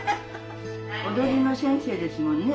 踊りの先生ですもんね。